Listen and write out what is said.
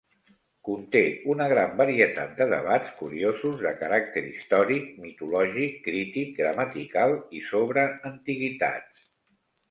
Conté una gran varietat de debats curiosos de caràcter històric, mitològic, crític, gramatical i sobre antiguitats.